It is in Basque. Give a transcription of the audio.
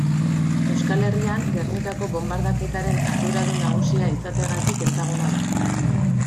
Euskal Herrian Gernikako bonbardaketaren arduradun nagusia izateagatik ezaguna da.